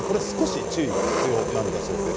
少し注意が必要なんだそうです。